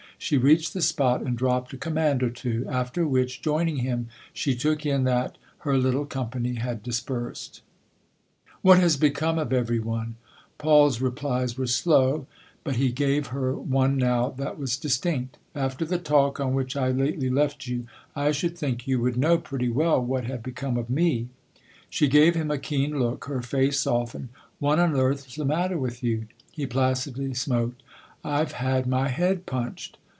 She reached the spot and dropped a command or two ; after which, joining him, she took in that her little company had dispersed. " What has become of every one ?" Paul's replies were slow ; but he gave her one now that was distinct. " After the talk on which I 238 THE OTHER HOUSE lately left you I should think you would know pretty well what had become of me" She gave him a keen look ; her face softened. " What on earth's the matter with you ?" He placidly smoked. "I've had my head punched."